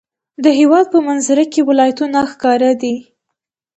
د هېواد په منظره کې ولایتونه ښکاره دي.